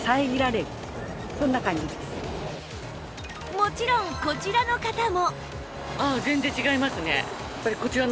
もちろんこちらの方も